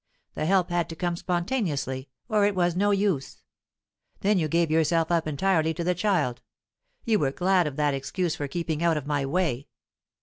The help had to come spontaneously, or it was no use. Then you gave yourself up entirely to the child; you were glad of that excuse for keeping out of my way.